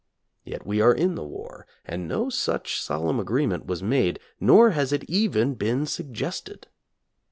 Yet we are in the war, and no such solemn agreement was made, nor has it even been suggested.